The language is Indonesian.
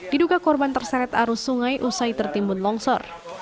diduga korban terseret arus sungai usai tertimbun longsor